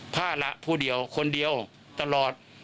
ภาระคนเดียวตลอด